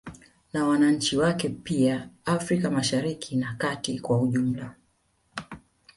Na wananchi wake pia Afrika Mashariki na kati kwa ujumla